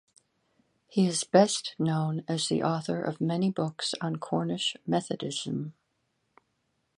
He is best known as the author of many books on Cornish Methodism.